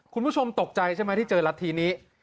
คุณผู้ชมตกใจใช่ไหมที่เจอรัฐทีนี้